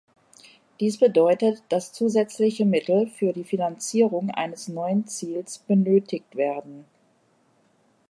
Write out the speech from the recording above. Dies bedeutet, dass zusätzliche Mittel für die Finanzierung eines neuen Ziels benötigt werden.